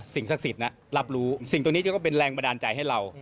ศักดิ์สิทธิ์รับรู้สิ่งตรงนี้จะเป็นแรงบันดาลใจให้เรา